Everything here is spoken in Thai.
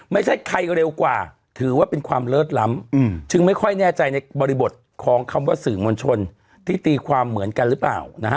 ไม่ใช่ใครเร็วกว่าถือว่าเป็นความเลิศล้ำจึงไม่ค่อยแน่ใจในบริบทของคำว่าสื่อมวลชนที่ตีความเหมือนกันหรือเปล่านะฮะ